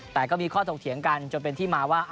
แต่ก็มีข้อถกเถียงกันจนเป็นที่มาว่า